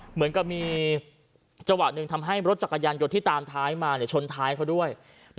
เหมือนกับมีจังหวะหนึ่งทำให้รถจักรยานยนต์ที่ตามท้ายมาชนท้ายเขาด้วย